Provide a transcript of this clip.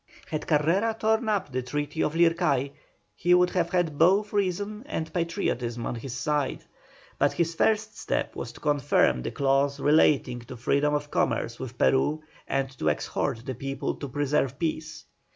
Had Carrera torn up the Treaty of Lircay, he would have had both reason and patriotism on his side, but his first step was to confirm the clause relating to freedom of commerce with Peru and to exhort the people to preserve peace.